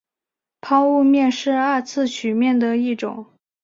抛物面是二次曲面的一种。